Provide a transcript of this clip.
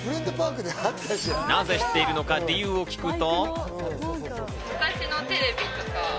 なぜ知っているのか理由を聞くと。